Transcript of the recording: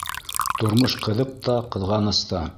— Тормош ҡыҙыҡ та, ҡыҙғаныс та.